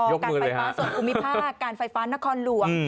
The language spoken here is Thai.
ยกมือเลยค่ะการไฟฟ้าส่วนภูมิภาคการไฟฟ้านครรภ์หลวง